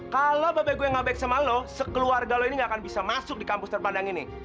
kalau babai gue nggak baik sama lo sekeluarga lo ini nggak akan bisa masuk di kampus terpandang ini